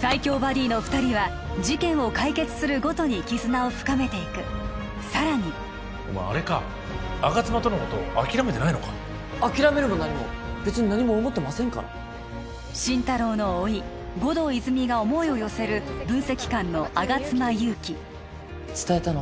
最強バディの二人は事件を解決するごとに絆を深めていくさらにお前あれか吾妻とのこと諦めてないのか諦めるも何も別に何も思ってませんから心太朗の甥護道泉が思いを寄せる分析官の吾妻ゆうき伝えたの？